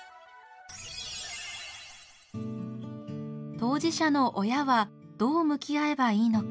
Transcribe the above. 当事者の親はどう向き合えばいいのか。